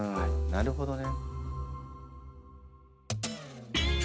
なるほどね。